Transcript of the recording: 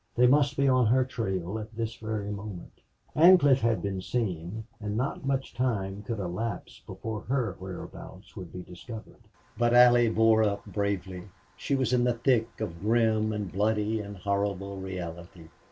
They must be on her trail at this very moment. Ancliffe had been seen, and not much time could elapse before her whereabouts would be discovered. But Allie bore up bravely. She was in the thick of grim and bloody and horrible reality.